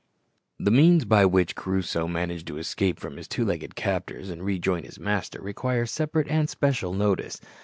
The means by which Crusoe managed to escape from his two legged captors, and rejoin his master, require separate and special notice.